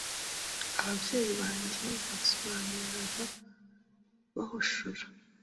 Ababyeyi banjye bansobanuriraga bahushura